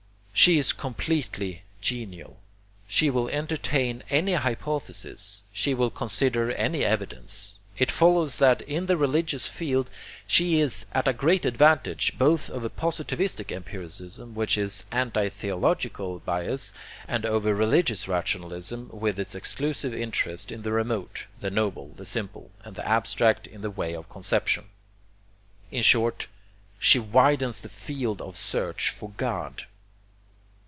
She is completely genial. She will entertain any hypothesis, she will consider any evidence. It follows that in the religious field she is at a great advantage both over positivistic empiricism, with its anti theological bias, and over religious rationalism, with its exclusive interest in the remote, the noble, the simple, and the abstract in the way of conception. In short, she widens the field of search for God.